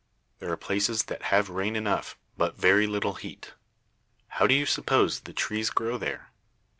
There are places that have rain enough, but very little heat. How do you suppose the trees grow there?